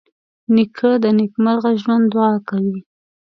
نیکه د نېکمرغه ژوند دعا کوي.